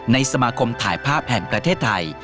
สมาคมถ่ายภาพแห่งประเทศไทย